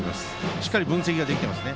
しっかり分析ができていますね。